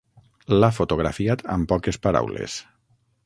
L'ha fotografiat amb poques paraules.